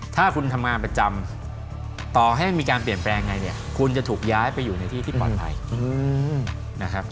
ถ้าคุณทำงานประจำต่อให้มีการเปลี่ยนแปลงไงเนี่ยคุณจะถูกย้ายไปอยู่ในที่ที่ปลอดภัยนะครับ